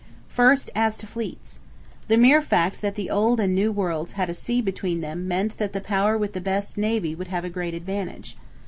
First, as to fleets. The mere fact that the Old and New Worlds had a sea between them meant that the power with the best navy would have a great advantage.